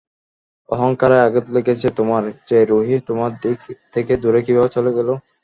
অহংকারে আঘাত লেগেছে তোমার, যে রুহি তোমার থেকে দূরে কীভাবে চলে গেলো?